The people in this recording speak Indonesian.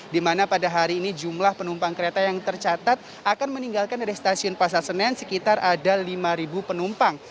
di mana pada hari ini jumlah penumpang kereta yang tercatat akan meninggalkan dari stasiun pasar senen sekitar ada lima penumpang